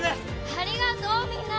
ありがとうみんな。